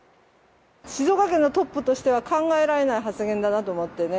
静岡県のトップとしては考えられない発言だなと思ってね。